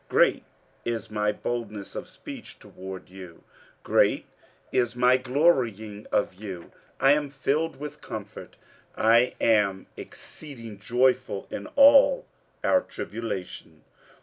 47:007:004 Great is my boldness of speech toward you, great is my glorying of you: I am filled with comfort, I am exceeding joyful in all our tribulation.